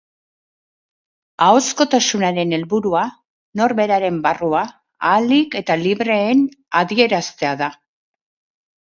Klubarekin kontratua duen orok zer gehiago du eskatzeko.